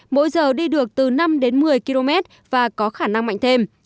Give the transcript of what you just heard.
mỗi giờ đi được từ năm đến một mươi km và có khả năng mạnh thêm